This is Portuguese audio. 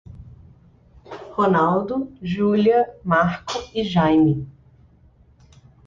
Ronaldo, Júlia, Marco e Jaime